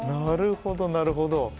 なるほどなるほど。